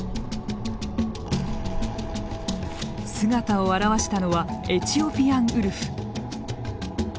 姿を現したのはエチオピアンウルフ。